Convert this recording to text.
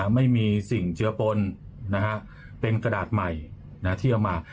ไม่มีสิ่งเจือปนเป็นกระดาษใหม่ที่เอามา